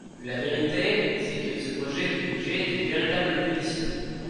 La vérité, c’est que ce projet de budget est une véritable punition.